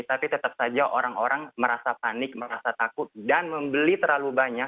tapi tetap saja orang orang merasa panik merasa takut dan membeli terlalu banyak